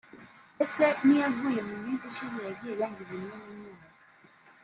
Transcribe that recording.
ndetse n’iyaguye mu minsi ishize yagiye yangiza imwe mu myaka